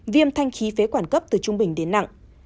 viêm thanh khí phế quản cấp từ trung bình đến nặng